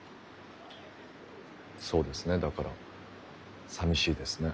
そうですねだから寂しいですね。